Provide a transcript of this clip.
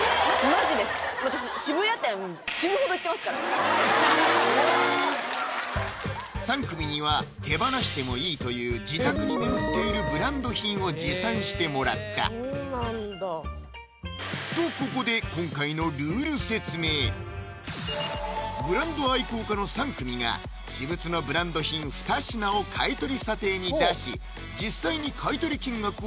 マジです私渋谷店へぇ３組には手放してもいいという自宅に眠っているブランド品を持参してもらったとここで今回のルール説明ブランド愛好家の３組が私物のブランド品２品を買取査定に出し実際に買取金額を予想してもらう